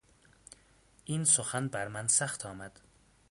این سخن بر من سخت آمد.